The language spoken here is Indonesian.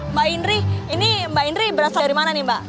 mbak indri ini mbak indri berasal dari mana nih mbak